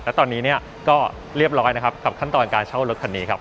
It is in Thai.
แล้วตอนนี้ก็เรียบร้อยกับขั้นตอนการเช่ารถคันนี้ครับ